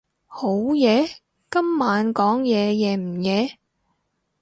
好夜？今晚講嘢夜唔夜？